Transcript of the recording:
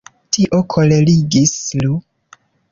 Tio kolerigis Lu.